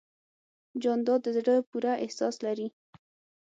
جانداد د زړه پوره احساس لري.